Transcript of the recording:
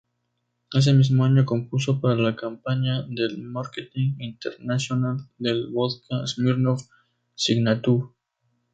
Ese mismo año compuso para la campaña del marketing internacional del vodka Smirnoff, "Signature".